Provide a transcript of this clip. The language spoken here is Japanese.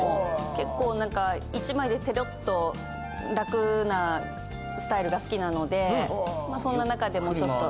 結構何か１枚でテロっと楽なスタイルが好きなのでそんな中でもちょっと。